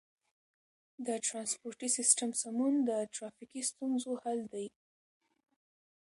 د ترانسپورتي سیستم سمون د ترافیکي ستونزو حل دی.